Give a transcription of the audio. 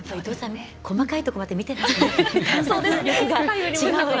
細かいところまで見てますね。